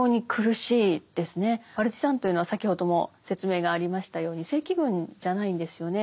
パルチザンというのは先ほども説明がありましたように正規軍じゃないんですよね。